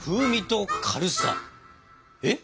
えっ？